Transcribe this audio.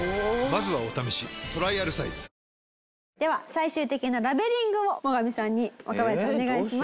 最終的なラベリングをモガミさんに若林さんお願いします。